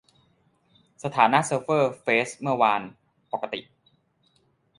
สถานะเซิร์ฟเวอร์เฟซเมื่อวาน : ปกติ